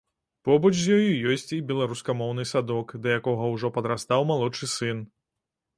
Побач з ёю ёсць і беларускамоўны садок, да якога ўжо падрастаў малодшы сын.